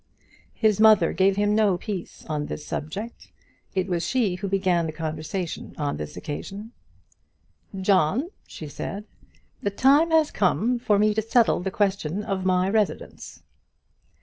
His mother gave him no peace on this subject. It was she who began the conversation on this occasion. "John," she said, "the time has come for me to settle the question of my residence."